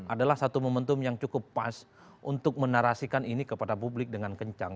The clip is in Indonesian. adalah satu momentum yang cukup pas untuk menarasikan ini kepada publik dengan kencang